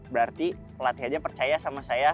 berarti pelatih aja percaya sama saya